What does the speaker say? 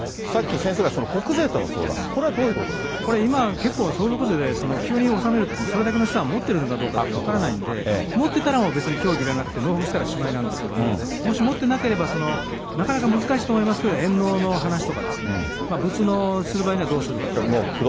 国税との相談、これはどういうここれは今、結構相続税で急に納めるっていってもそれだけの資産を持ってるのかどうか分からないんで、持ってたら別に協議入らなくて、納付したらしまいなんですけれども、もし持ってなければ、なかなか難しいと思いますけど、延納の話とかですね、物納する場合にはどうするかと。